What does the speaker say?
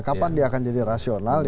kapan dia akan jadi rasional